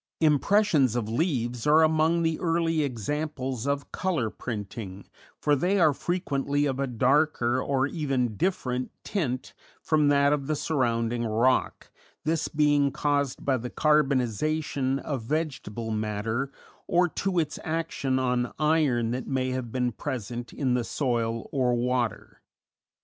Impressions of leaves are among the early examples of color printing, for they are frequently of a darker, or even different, tint from that of the surrounding rock, this being caused by the carbonization of vegetable matter or to its action on iron that may have been present in the soil or water.